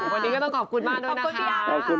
วันนี้ก็ต้องขอบคุณมากด้วย